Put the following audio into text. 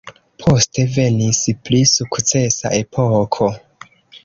Poste venis pli sukcesa epoko.